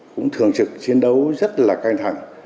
cũng thường trực chiến đấu rất là canh thẳng